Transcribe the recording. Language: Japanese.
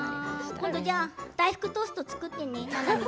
今度、大福トーストを作ってね。